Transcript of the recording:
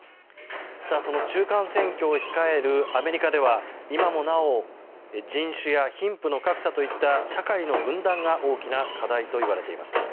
中間選挙を控えるアメリカでは今もなお人種や貧富の格差といった社会の分断が大きな課題といわれています。